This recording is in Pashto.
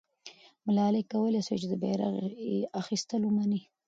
ملالۍ کولای سوای چې د بیرغ اخیستل ومني.